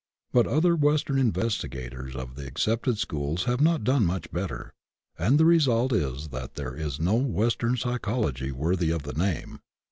But otiher Western investigators of the accepted schools have not done much better, and the result is that there is no Western Psychology worthy of the name.